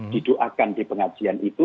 didoakan di pengajian itu